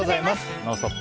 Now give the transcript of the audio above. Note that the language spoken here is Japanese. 「ノンストップ！」